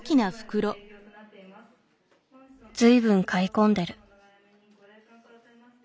随分買い込んでる。